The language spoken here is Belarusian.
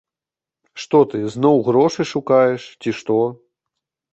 Што ты, зноў грошы шукаеш, ці што?